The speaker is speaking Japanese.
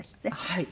はい。